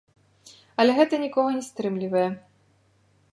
Але гэта нікога не стрымлівае.